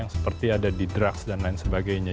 seperti ada di drugs dan lain sebagainya